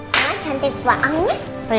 mas cantik banget